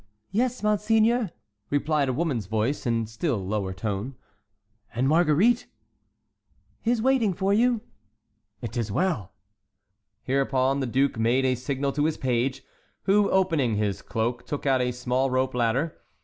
"Yes, monseigneur," replied a woman's voice, in a still lower tone. "And Marguerite?" "Is waiting for you." "'T is well." Hereupon the duke made a signal to his page, who, opening his cloak, took out a small rope ladder.